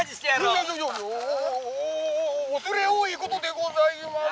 「いやいやいやお恐れ多いことでございます！」。